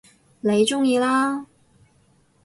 你鍾意啦